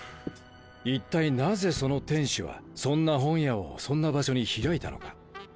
一体なぜその店主はそんな本屋をそんな場所に開いたのか。